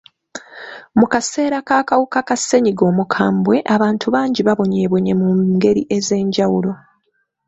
Mu kaseera k'akawuka ka ssenyiga omukambwe, abantu bangi babonyeebonye mu ngeri ez'enjawulo.